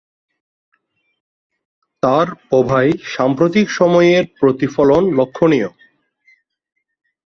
তার পৌভায় সাম্প্রতিক সময়ের প্রতিফলন লক্ষ্যণীয়।